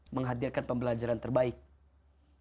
menghadirkan pembelajaran untuk diri kita